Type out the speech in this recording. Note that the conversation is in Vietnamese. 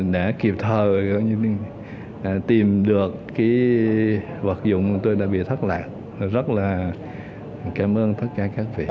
đã kịp thời tìm được vật dụng tôi đã bị thất lạc rất là cảm ơn tất cả các vị